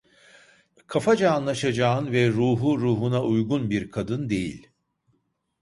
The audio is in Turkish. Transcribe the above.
Kafaca anlaşacağın ve ruhu ruhuna uygun bir kadın değil!